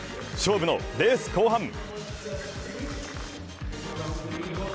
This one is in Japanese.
勝負のレース後半。